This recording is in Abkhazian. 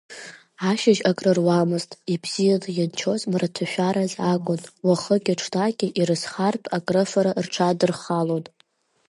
Ашьыжь акрыруамызт, ибзианы ианчоз мраҭашәараз акәын, уахыки ҽнаки ирызхартә, акрыфара рҽаддырхалон.